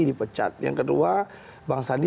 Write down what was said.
dipecat yang kedua bang sandi